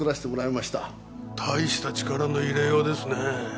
大した力の入れようですね。